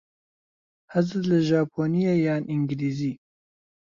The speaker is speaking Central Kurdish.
حەزت لە ژاپۆنییە یان ئینگلیزی؟